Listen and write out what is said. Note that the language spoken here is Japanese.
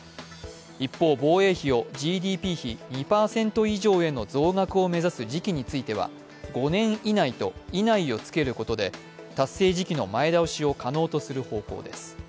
一方、防衛費をＧＤＰ比２％以上への増額を目指す時期については５年以内と、以内をつけることで達成時期の前倒しを可能とする方向です。